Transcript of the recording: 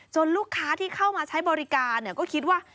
ลูกค้าที่เข้ามาใช้บริการก็คิดว่า